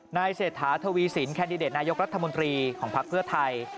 เศรษฐาทวีสินแคนดิเดตนายกรัฐมนตรีของภักดิ์เพื่อไทย